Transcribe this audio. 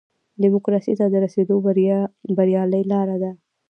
ډیموکراسۍ ته د رسېدو بریالۍ لاره ده.